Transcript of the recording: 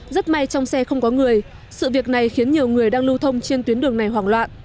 rất may trong xe không có người sự việc này khiến nhiều người đang lưu thông trên tuyến đường này hoảng loạn